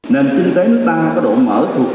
nền kinh tế nước ta có độ mở